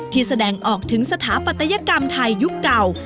แสดงออกถึงสถาปัตยกรรมไทยยุคเก่า